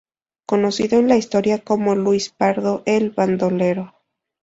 Conocido en la historia como "Luis Pardo, el bandolero".